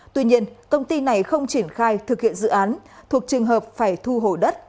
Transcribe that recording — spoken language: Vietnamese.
tuy nhiên công ty này không triển khai thực hiện dự án thuộc trường hợp phải thu hồi đất